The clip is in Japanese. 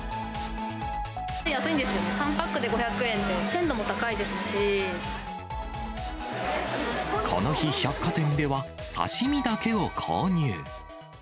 安いんですよね、３パックでこの日、百貨店では刺身だけを購入。